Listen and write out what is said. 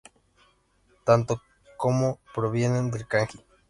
Tanto て como テ provienen del kanji 天.